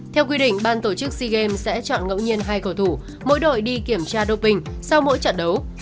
theo quy định ban tổ chức sea games sẽ chọn ngẫu nhiên hai cầu thủ mỗi đội đi kiểm tra doping sau mỗi trận đấu